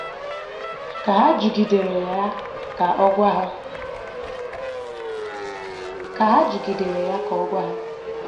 Ka ha jụgidere ya ka ọ gwa ha